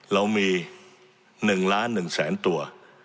เรามี๑ล้าน๑แสนตัว